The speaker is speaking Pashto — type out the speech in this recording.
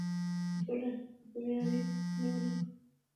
په ټول همت او مېړانۍ یې قرباني ونکړه.